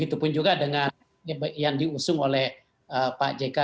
begitupun juga dengan yang diusung oleh pak jk